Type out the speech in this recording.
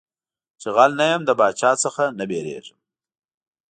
چي غل نه يم د باچا څه نه بيرېږم.